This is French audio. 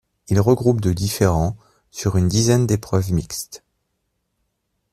Il regroupe de différents sur une dizaine d'épreuves mixtes.